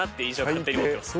勝手に持ってます。